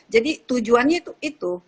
jadi tujuannya itu